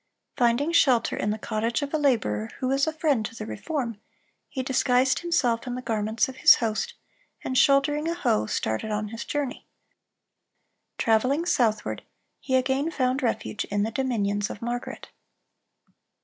Finding shelter in the cottage of a laborer who was a friend to the reform, he disguised himself in the garments of his host, and shouldering a hoe, started on his journey. Traveling southward, he again found refuge in the dominions of Margaret.